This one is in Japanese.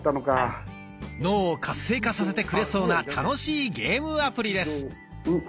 脳を活性化させてくれそうな楽しいゲームアプリです。